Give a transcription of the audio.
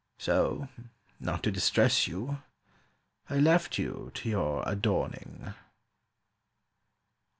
So, not to distress you, I left you to your adorning."